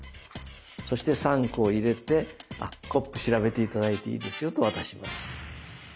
そして３個を入れて「コップ調べて頂いていいですよ」と渡します。